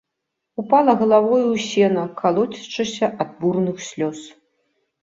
Упала галавою ў сена, калоцячыся ад бурных слёз.